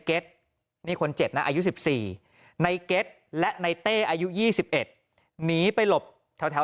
เก็ตนี่คนเจ็บนะอายุ๑๔ในเก็ตและในเต้อายุ๒๑หนีไปหลบแถว